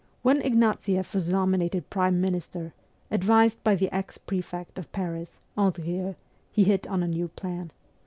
When Ignatieff was nominated prime minister, advised by the ex prefect of Paris, Andrieux, he hit on a new plan.